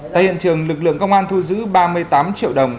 tại hiện trường lực lượng công an thu giữ ba mươi tám triệu đồng